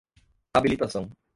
habilitação